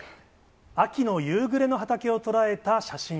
秋の夕暮れの畑を捉えた写真。